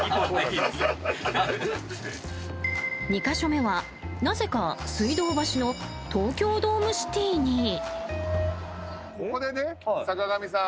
２か所目はなぜか水道橋の東京ドームシティに。